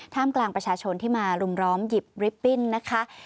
กลางประชาชนที่มารุมร้อมหยิบลิปปิ้นนะคะ